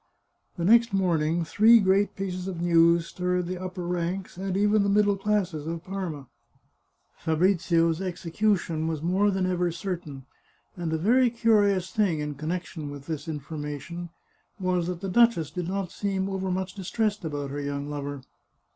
The next morning three great pieces of news stirred the upper ranks, and even the middle classes, of Parma. Fa brizio's execution was more than ever certain, and a very curious thing in connection with this information was that the duchess did not seem overmuch distressed about her 314 The Chartreuse of Parma young lover.